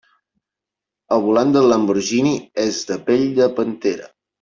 El volant del Lamborghini és de pell de pantera.